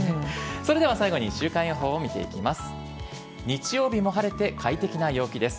それでは最後に週間予報を見ていきます。